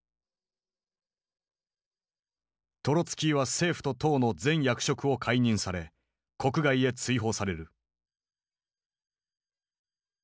トロツキーは政府と党の全役職を解任され国外へ追放される。